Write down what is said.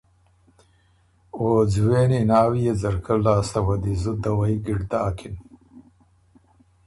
او ځوېني ناويې ځرکۀ لاسته وه زُت دَوَئ ګِړد داکِن